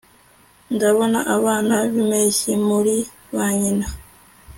ndabona abana b'impeshyi muri ba nyina